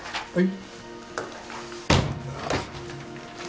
はい。